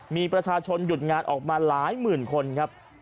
มีประชาชนหยุดงานออกมาหลายหมื่นคนครับ